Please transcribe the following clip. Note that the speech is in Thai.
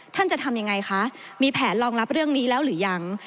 ท่านจะทำยังไงคะมีแผนรองรับเรื่องนี้แล้วหรือยัง